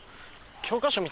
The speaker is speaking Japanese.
教科書見